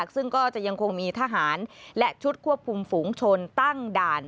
ซึ่งก็จะยังคงมีทหารและชุดควบคุมฝูงชนตั้งด่าน